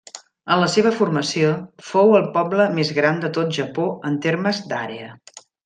En la seva formació, fou el poble més gran de tot Japó en termes d'àrea.